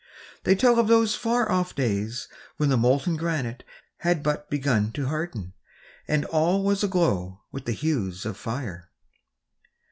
They tell of those far off days when the molten granite had but begun to harden, and was all aglow with the hues of fire.